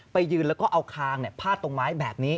ไปยืนแล้วก็เอาคางเนี่ยผ้าตรงไไม้แบบนี้